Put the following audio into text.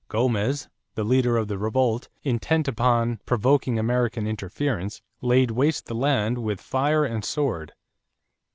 Gomez, the leader of the revolt, intent upon provoking American interference, laid waste the land with fire and sword.